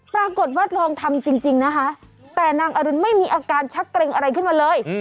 ลองทำจริงนะคะแต่นางอรุณไม่มีอาการชักเกร็งอะไรขึ้นมาเลย